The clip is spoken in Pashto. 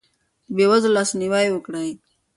د بې وزلو لاسنیوی وکړئ.